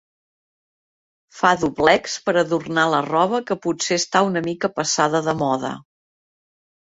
Fa doblecs per adornar la roba que potser està una mica passada de moda.